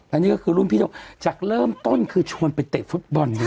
อันนี้ก็คือรุ่นพี่จากเริ่มต้นคือชวนไปเตะฟุตบอลเลย